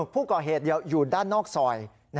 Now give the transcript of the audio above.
ผู้ก่อเหตุอยู่ด้านนอกซอย